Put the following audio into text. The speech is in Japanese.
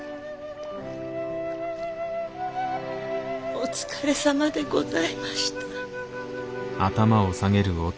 お疲れさまでございました。